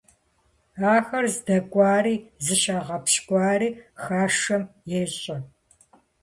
Ахэр здэкӀуари зыщагъэпщкӀуари хашэм ещӀэ.